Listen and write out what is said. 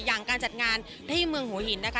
อย่างการจัดงานที่เมืองหัวหินนะคะ